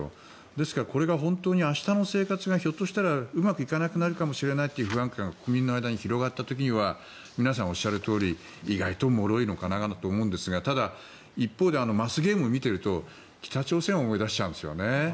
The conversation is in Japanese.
ですからこれが本当に明日の生活がひょっとしたらうまくいかなくなるかもしれないという不安感が国民の間に広がった時には皆さんがおっしゃるとおり意外ともろいかなと思うんですがただ一方でマスゲームを見ていると北朝鮮を思い出しちゃうんですよね。